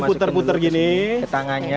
mau minum air gitu the game kali ya